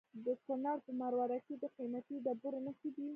د کونړ په مروره کې د قیمتي ډبرو نښې دي.